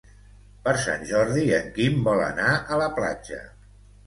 Per Sant Jordi en Quim vol anar a la platja.